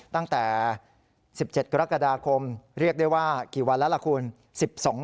ตั้งแต่๑๗กรกฎาคมเรียกได้ว่ากี่วันแล้วล่ะคุณ